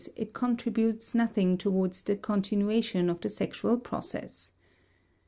_, it contributes nothing towards the continuation of the sexual process.